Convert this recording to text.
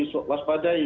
ya terlalu diwaspadai